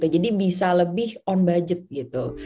jadi bisa lebih on budget gitu